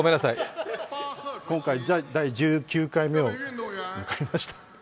今回、第１９回目を迎えました。